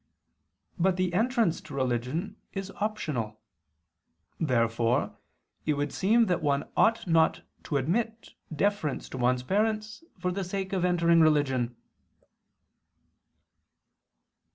But the entrance to religion is optional. Therefore it would seem that one ought not to omit deference to one's parents for the sake of entering religion.